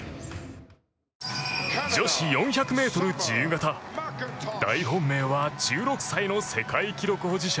女子４００ｍ自由形大本命は１６歳の世界記録保持者